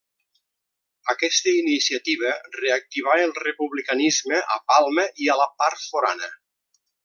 Aquesta iniciativa reactivà el republicanisme a Palma i a la Part Forana.